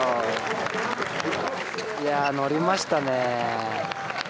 いやあ乗りましたね。